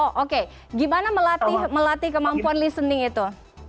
oh oke gimana melatih kemampuan listening itu